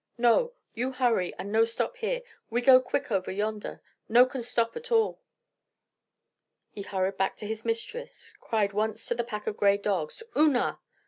"No! You hurry and no stop here. We go quick over yonder. No can stop at all." He hurried back to his mistress, cried once to the pack of gray dogs, "Oonah!"